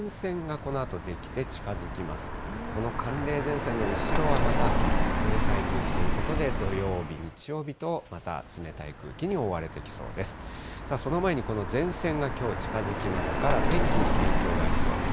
この寒冷前線の後ろはまた冷たい空気ということで、土曜日、日曜日とまた、冷たい空気に覆われてきそうです。